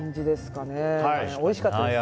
おいしかったです。